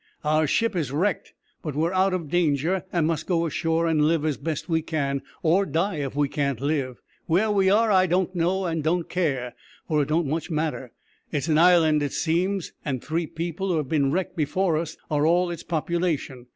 Our ship is wrecked, but we're out of danger, and must go ashore an' live as best we can, or die if we can't live. Where we are, I don't know, and don't care, for it don't much matter. It's an island, it seems, and three people who have been wrecked before us are all its population.